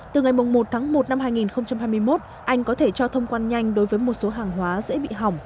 từ ngày một tháng một năm hai nghìn hai mươi một anh có thể cho thông quan nhanh đối với một số hàng hóa dễ bị hỏng